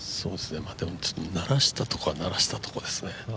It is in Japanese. ならしたところはならしたところですね。